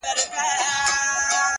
په خپل كور كي يې لرمه مثالونه؛